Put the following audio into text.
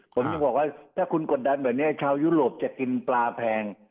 ผมยังบอกว่าถ้าคุณกดดันแบบนี้ชาวยุโรปจะกินปลาแพง